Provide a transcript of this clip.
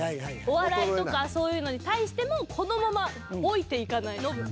お笑いとかそういうのに対してもこのまま老いていかないノブ。